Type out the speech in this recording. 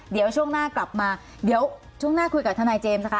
เดี๋ยวช่วงหน้ากลับมาเดี๋ยวช่วงหน้าคุยกับทนายเจมส์นะคะ